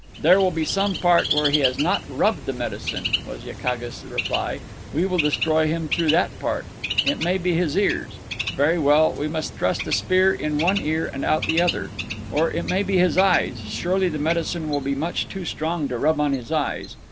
"There will be some part where he has not rubbed the medicine," was Yakaga's reply. "We will destroy him through that part. It may be his ears. Very well; we will thrust a spear in one ear and out the other. Or it may be his eyes. Surely the medicine will be much too strong to rub on his eyes."